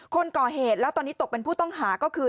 คนก่อเหตุแล้วตอนนี้ตกเป็นผู้ต้องหาก็คือ